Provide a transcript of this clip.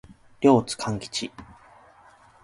両津勘吉